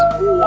duduk sama opa